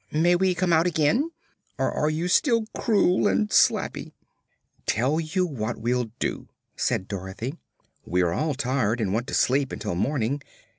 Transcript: May we come out again? Or are you still cruel and slappy?" "Tell you what we'll do," said Dorothy. "We're all tired and want to sleep until morning.